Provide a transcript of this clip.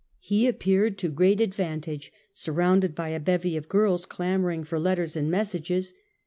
He appeared to great advantage surrounded by a bevy of girls clamoring for letters and messages.